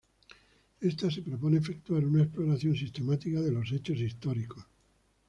Esta se propone efectuar una exploración sistemática de los hechos históricos.